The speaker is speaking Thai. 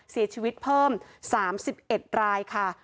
เสียชีวิตเพิ่ม๓๑รายค่ะ